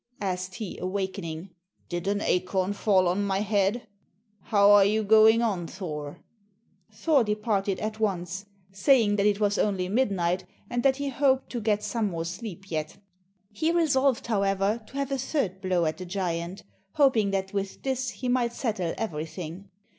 asked he, awakening. "Did an acorn fall on my head? How are you going on, Thor?" Thor departed at once, saying that it was only midnight and that he hoped to get some more sleep yet. He resolved, however, to have a third blow at the giant, hoping that with this he might settle everything.